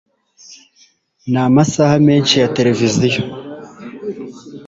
n'amasaha menshi ya tereviziyo